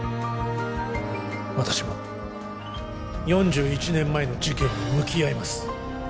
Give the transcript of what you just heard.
私も４１年前の事件に向き合います